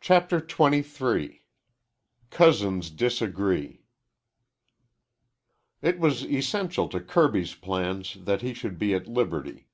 CHAPTER XXIII COUSINS DISAGREE It was essential to Kirby's plans that he should be at liberty.